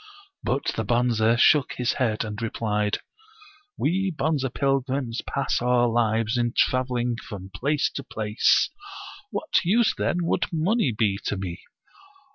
But the Bonze shook his head, and replied :We Bonze pilgrims pass our lives in traveling from place to place. What use, then, would money be to me?